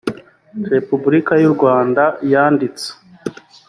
repubulika y u rwanda yanditse